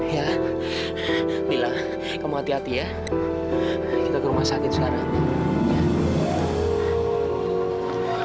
ya bila kamu hati hati ya kita ke rumah sakit sekarang